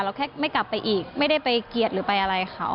เราแค่ไม่กลับไปอีกไม่ได้ไปเกียรติหรือไปอะไรค่ะ